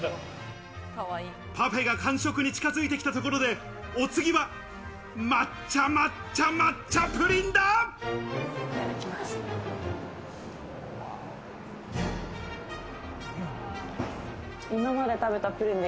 パフェが完食に近づいてきたところでお次は抹茶抹茶抹茶プリンだ！